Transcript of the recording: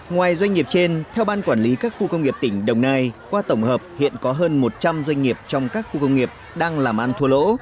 ngoài doanh nghiệp trên theo ban quản lý các khu công nghiệp tỉnh đồng nai qua tổng hợp hiện có hơn một trăm linh doanh nghiệp trong các khu công nghiệp đang làm ăn thua lỗ